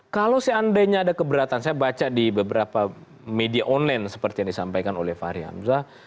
kalau seandainya ada keberatan saya baca di beberapa media online seperti yang disampaikan oleh fahri hamzah